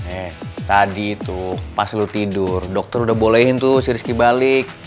eh tadi tuh pas lu tidur dokter udah bolehin tuh si rizky balik